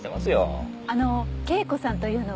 あの圭子さんというのは？